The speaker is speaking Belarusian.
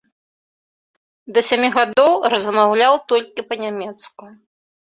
Да сямі гадоў размаўляў толькі па-нямецку.